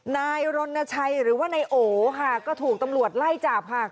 นายรณชัยหรือว่านายโอค่ะก็ถูกตำรวจไล่จับค่ะ